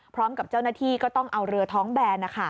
พร้อมกับเจ้าหน้าที่ก็ต้องเอาเรือท้องแบน